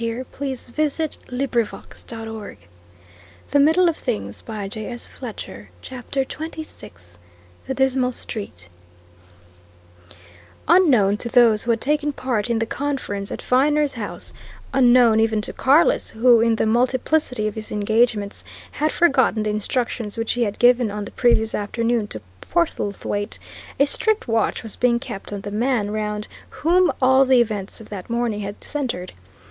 As the door closed, he had heard the unmistakable click of a patent lock. CHAPTER XXVI THE DISMAL STREET Unknown to those who had taken part in the conference at Viner's house, unknown even to Carless, who in the multiplicity of his engagements, had forgotten the instructions which he had given on the previous afternoon to Portlethwaite, a strict watch was being kept on the man around whom all the events of that morning had centred.